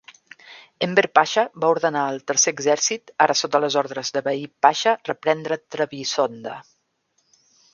Enver Pasha va ordenar al Tercer Exèrcit, ara sota les ordres de Vehip Pasha, reprendre Trebisonda.